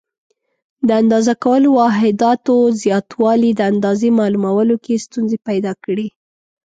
د اندازه کولو واحداتو زیاتوالي د اندازې معلومولو کې ستونزې پیدا کړې.